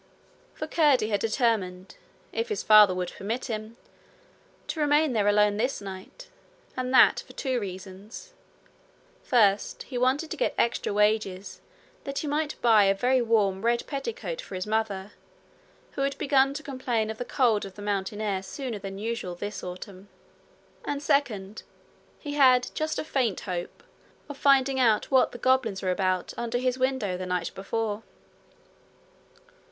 For Curdie had determined, if his father would permit him, to remain there alone this night and that for two reasons: first, he wanted to get extra wages that he might buy a very warm red petticoat for his mother, who had begun to complain of the cold of the mountain air sooner than usual this autumn; and second, he had just a faint hope of finding out what the goblins were about under his window the night before.